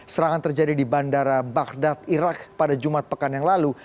serangan terjadi di bandara baghdad irak pada jumat pekan yang lalu